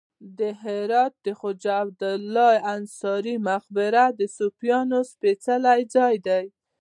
د هرات د خواجه عبدالله انصاري مقبره د صوفیانو سپیڅلی ځای دی